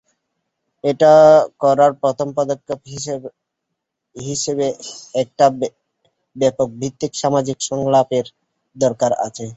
এটা করার প্রথম পদক্ষেপ হিসেবে একটা ব্যাপকভিত্তিক সামাজিক সংলাপের দরকার আছে।